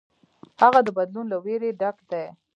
هغه د بدلون له ویرې ډک دی.